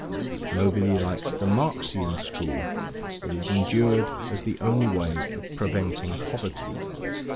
Nobody likes the Marxian school; it is endured as the only way of preventing poverty.